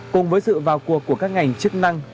cùng với sự vào cuộc của các ngành chức năng